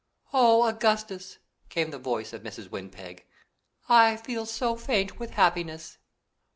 "Oh, Augustus," came the voice of Mrs. Windpeg, "I feel so faint with happiness!"